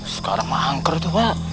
sekarang angker itu pak